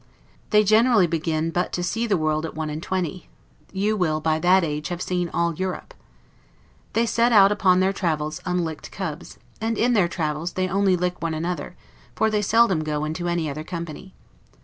They generally begin but to see the world at one and twenty; you will by that age have seen all Europe. They set out upon their travels unlicked cubs: and in their travels they only lick one another, for they seldom go into any other company.